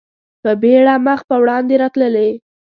په بېړه مخ په وړاندې راتللې.